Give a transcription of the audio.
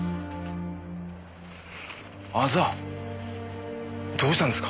あざどうしたんですか？